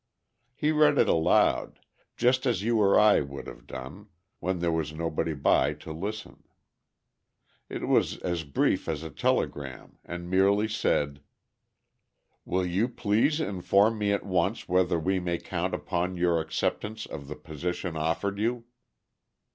He read it aloud, just as you or I would have done, when there was nobody by to listen. It was as brief as a telegram, and merely said: "Will you please inform me at once whether we may count upon your acceptance of the position offered you?"